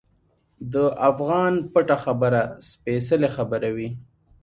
د افغان پټه خبره سپیڅلې خبره وي.